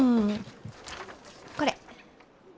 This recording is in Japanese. これ。